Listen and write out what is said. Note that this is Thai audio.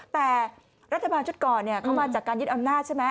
แต่รัฐบาลชุดก่อนเข้ามาจากการยึดอำนาจใช่ไหม